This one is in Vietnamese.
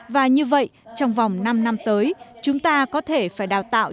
và như vậy trong vòng năm năm tới chúng ta có thể phải đào tạo